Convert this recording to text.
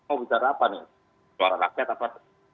oh bicara apa nih suara rakyat apa